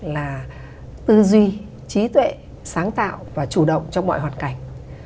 là tư duy trí tuệ sáng tạo và chủ động trong mọi hoạt cảnh